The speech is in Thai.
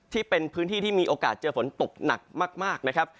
ที่เป็นพื้นที่ที่มีโอกาสเจอฝนตกหนักมากนะครับ